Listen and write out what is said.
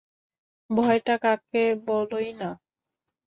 ভয়টা কাকে বলোই-না।